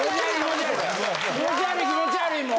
気持ち悪い気持ち悪いもう。